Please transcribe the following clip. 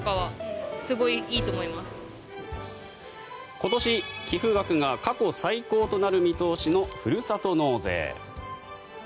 今年、寄付額が過去最高となる見通しのふるさと納税。